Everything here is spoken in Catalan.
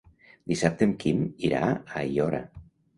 Dissabte en Quim irà a Aiora.